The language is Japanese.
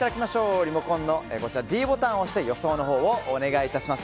リモコンのｄボタンを押して予想をお願いします。